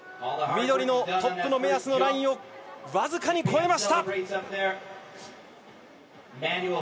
緑のトップの目安のラインを僅かに越えました。